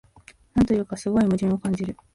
なんというか、すごい矛盾を感じる